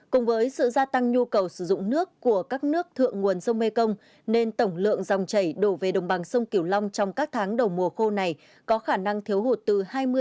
cùng với sự gia tăng nhu cầu sử dụng nước của các nước thượng nguồn sông mekong nên tổng lượng dòng chảy đổ về đồng bằng sông kiều long trong các tháng đầu mùa khô này có khả năng thiếu hụt từ hai mươi ba mươi năm